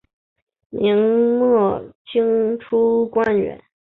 明末清初官员。